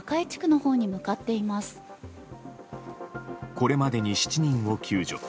これまでに７人を救助。